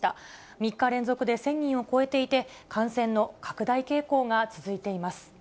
３日連続で１０００人を超えていて、感染の拡大傾向が続いています。